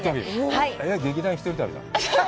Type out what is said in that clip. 劇団ひとり旅だ？